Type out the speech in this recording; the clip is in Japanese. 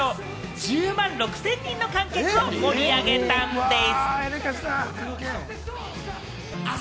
１０万６０００人の観客を盛り上げたんでぃす！